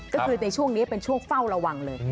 ก็คือในช่วงนี้เป็นช่วงเฝ้าระวังเลย